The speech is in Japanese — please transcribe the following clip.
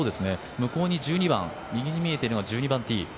向こうに１２番右に見えているのが１２番、ティー。